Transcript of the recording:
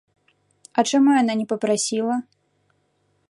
А чаму яна не папрасіла?